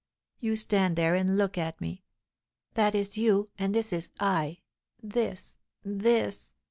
You stand there and look at me; that is you and this is I, this, this!